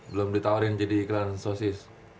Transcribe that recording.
belum ditawarin jadi iklan sosis